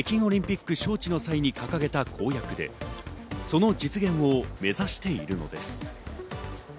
これは北京オリンピック招致の際に掲げた公約で、その実現を目指しているのです。